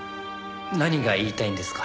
何が言いたいんですか？